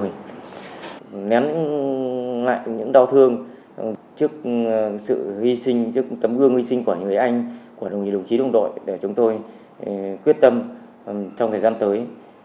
mình nén lại những đau thương trước sự hy sinh trước tấm gương hy sinh của người anh của đồng chí đồng chí đồng đội để chúng tôi quyết tâm trong thời gian tới